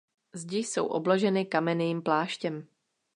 Zdi jsou obloženy kamenným pláštěm.